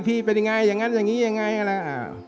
พี่เป็นอย่างไรอย่างนั้นอย่างนี้อย่างไร